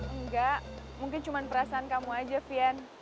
enggak mungkin cuma perasaan kamu aja fian